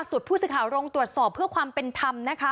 สุดผู้สิทธิ์ขาวรงค์ตรวจสอบเพื่อความเป็นธรรมนะคะ